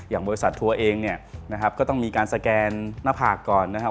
บริษัททัวร์เองเนี่ยนะครับก็ต้องมีการสแกนหน้าผากก่อนนะครับ